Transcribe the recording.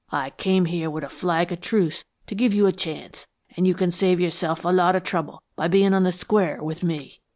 I came here with a flag of truce to give you a chance, and you can save yourself a lot of trouble by bein' on the square with me."